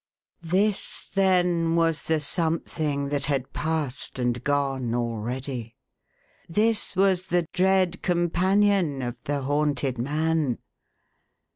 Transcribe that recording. This, then, was the Something that had passed and gone already. This was the dread companion /of the haunted man